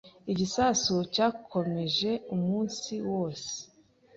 Igisasu cyakomeje umunsi wose.